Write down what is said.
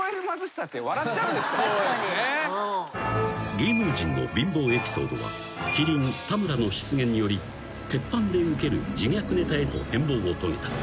［芸能人の貧乏エピソードは麒麟田村の出現により鉄板でウケる自虐ネタへと変貌を遂げた］